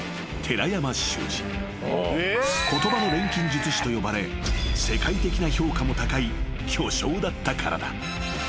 ［言葉の錬金術師と呼ばれ世界的な評価も高い巨匠だったからだ］